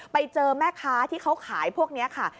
ไปเจอแม่ค้าที่เขาขายพวกนี้ค่ะ